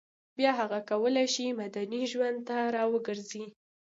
بیا هغه کولای شي مدني ژوند ته راوګرځي